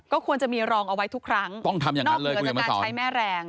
ก็ควรจะมีรองเอาไว้ทุกครั้งนอกเหมือนการใช้แม่แรง